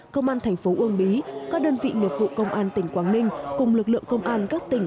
công an thành phố uông bí các đơn vị nghiệp vụ công an tỉnh quảng ninh cùng lực lượng công an các tỉnh